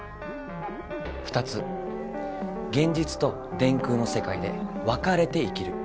２つ「現実」と「電空」のせかいでわかれて生きる。